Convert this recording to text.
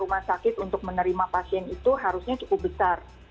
rumah sakit untuk menerima pasien itu harusnya cukup besar